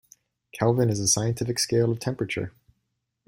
Kelvin is a scientific scale of temperature.